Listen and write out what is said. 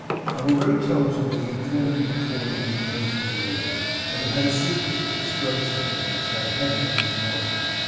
I have already told you that he informed me before he was removed from the Inn, that he had a secret to disclose to me which lay heavy on his mind.